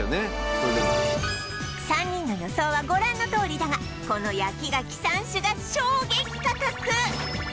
それでも３人の予想はご覧のとおりだがこの焼き牡蠣３種が衝撃価格！